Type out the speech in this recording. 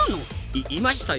いいましたよ！